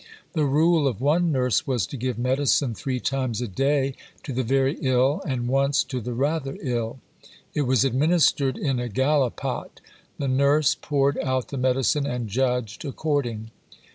The rule of one nurse was to give medicine three times a day to the very ill and once to the rather ill. It was administered in a gallipot; the nurse "poured out the medicine and judged according."